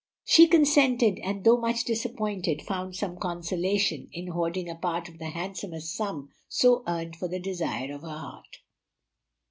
She consented, and though much disappointed found some consolation in hoarding a part of the handsome sum so earned for the desire of her heart.